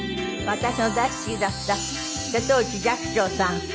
私の大好きだった瀬戸内寂聴さん。